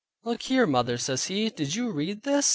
"Look here, mother," says he, "did you read this?"